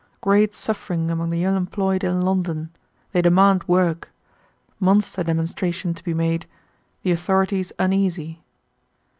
Great suffering among the unemployed in London. They demand work. Monster demonstration to be made. The authorities uneasy.